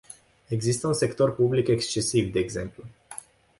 Există un sector public excesiv, de exemplu.